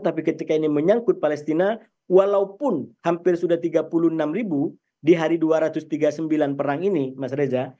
tapi ketika ini menyangkut palestina walaupun hampir sudah tiga puluh enam ribu di hari dua ratus tiga puluh sembilan perang ini mas reza